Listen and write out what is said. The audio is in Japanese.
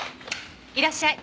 いらっしゃい。